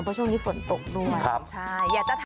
เพราะช่วงนี้ฝนตกด้วยใช่อยากจะทานครับ